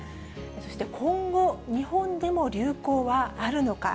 そして今後、日本でも流行はあるのか。